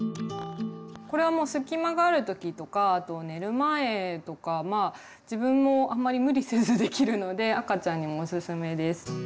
これはもう隙間がある時とかあと寝る前とか自分もあんまり無理せずできるので赤ちゃんにもおすすめです。